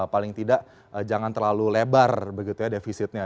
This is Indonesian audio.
paling tidak jangan terlalu lebar begitu ya defisitnya